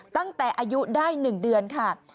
ตั้งแต่อายุได้๑เดือนค่ะ